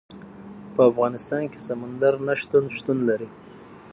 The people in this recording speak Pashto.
په افغانستان کې سمندر نه شتون شتون لري.